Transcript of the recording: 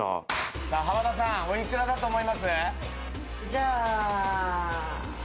濱田さん、おいくらだと思います？